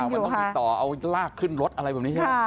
เออมันต้องติดต่อเอาลากขึ้นรถอะไรแบบนี้